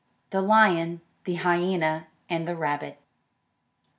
III. THE LION, THE HYENA, AND THE RABBIT.